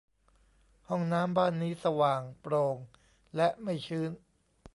ห้องน้ำบ้านนี้สว่าง โปร่ง และไม่ชื้น